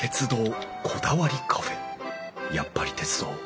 やっぱり鉄道！